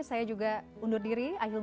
saya juga undur diri